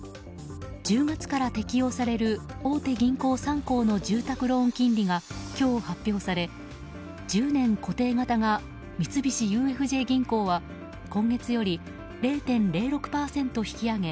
１０月から適用される大手銀行３行の住宅ローン金利が今日発表され、１０年固定型が三菱ＵＦＪ銀行は今月より０．０６％引き上げ